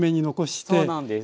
そうなんです。